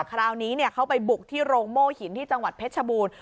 คราวนี้เขาไปบุกที่โรงโม่หินที่จังหวัดเพชรชบูรณ์